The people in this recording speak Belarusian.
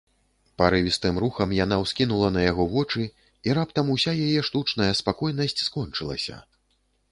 Парывістым рухам яна ўскінула на яго вочы, і раптам уся яе штучная спакойнасць скончылася.